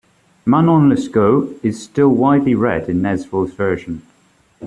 "Manon Lescaut" is still widely read in Nezval's version.